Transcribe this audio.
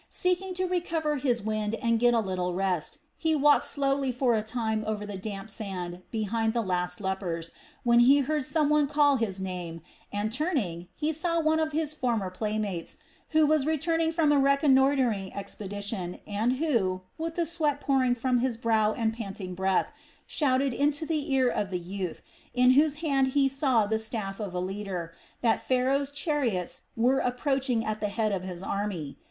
Seeking to recover his wind and get a little rest, he walked slowly for a time over the damp sand behind the last lepers, when he heard some one call his name and, turning, he saw one of his former playmates, who was returning from a reconnoitring expedition and who, with the sweat pouring from his brow and panting breath, shouted into the ear of the youth, in whose hand he saw the staff of a leader, that Pharaoh's chariots were approaching at the head of his army.